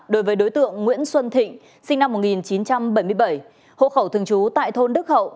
đối với đối tượng nguyễn xuân thịnh sinh năm một nghìn chín trăm bảy mươi bảy hộ khẩu thường trú tại thôn đức hậu